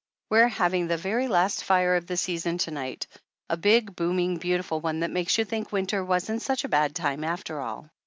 We're having the very last fire of the season to night! A big, booming, beautiful one that makes you think winter wasn't such a bad time after all!